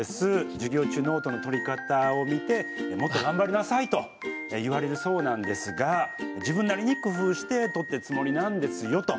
授業中ノートのとり方を見て「もっと頑張りなさい」と言われるそうなんですが自分なりに、工夫してとってるつもりなんですよと。